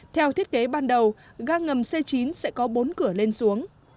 theo thiết kế ban đầu ga ngầm c chín sẽ có bốn cửa lên xuống